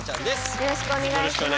よろしくお願いします。